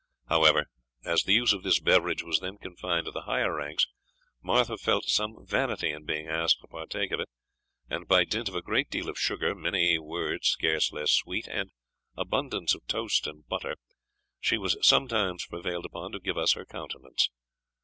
However, as the use of this beverage was then confined to the higher ranks, Martha felt some vanity in being asked to partake of it; and by dint of a great deal of sugar, many words scarce less sweet, and abundance of toast and butter, she was sometimes prevailed upon to give us her countenance.